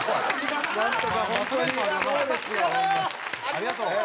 ありがとう。